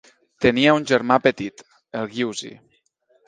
Tenia un germà petit, el Giusi.